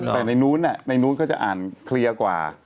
แต่ในนู้นในนู้นเขาจะอ่านเคลียร์กว่า